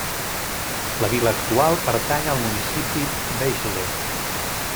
La vila actual pertany al municipi Vejle.